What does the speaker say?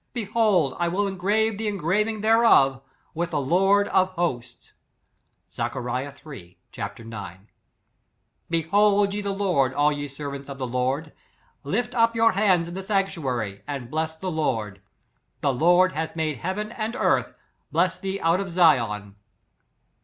Behold I will engrave the engraving thereof, with the lord of HOSTS." Zech, III ch, 9 v, " Bless ye the Lord, all ye servants of the Lord. " Lift up yoru hands in the sanctuary and Mess the Lord. "The Lord that made heaven and earth bless thee out of Zion."